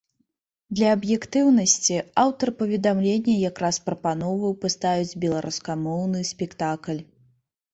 Для аб'ектыўнасці, аўтар паведамлення якраз прапаноўваў паставіць беларускамоўны спектакль.